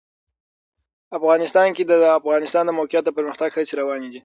افغانستان کې د د افغانستان د موقعیت د پرمختګ هڅې روانې دي.